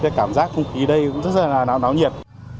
cảm giác không khí đây cũng rất là nóng nhiệt